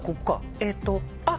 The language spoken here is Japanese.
えっとあっ！